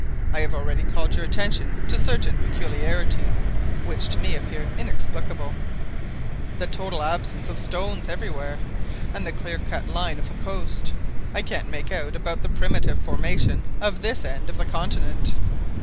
I have already called your attention to certain peculiarities, which to me appear inexplicable; the total absence of stones everywhere, and the clear cut line of the coast. I can't make out about the primitive formation of this end of the continent.